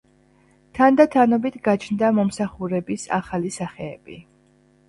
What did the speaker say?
თანდათანობით გაჩნდა მომსახურების ახალი სახეები.